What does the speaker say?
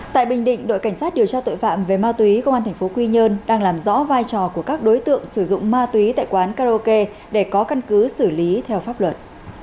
tại bình định đội cảnh sát điều tra tội phạm về ma túy công an tp quy nhơn đang làm rõ vai trò của các đối tượng sử dụng ma túy tại quán karaoke để có căn cứ xử lý theo pháp luật